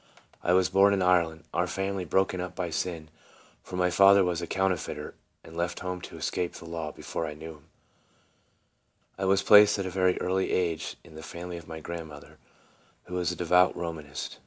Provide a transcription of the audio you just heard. I was born in Ireland. Our family was 8 TRANSFORMED. broken up by sin, for my father was a coun terfeiter, and left home to escape the law, be fore I knew him. I was placed at a very early age in the family of my grandmother, who was a devout Romanist.